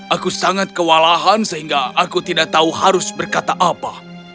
aku sangat kewalahan sehingga aku tidak tahu harus berkata apa